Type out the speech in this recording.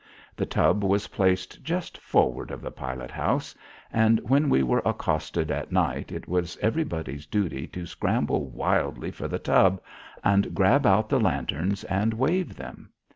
The tub was placed just forward of the pilot house, and when we were accosted at night it was everybody's duty to scramble wildly for the tub and grab out the lanterns and wave them.